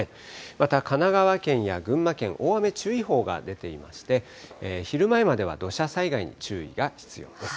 また、神奈川県や群馬県、大雨注意報が出ていまして、昼前までは土砂災害に注意が必要です。